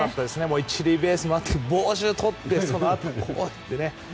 １塁ベースを回って帽子をとってそのあとこうね。